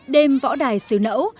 đêm võ đài sư nẫu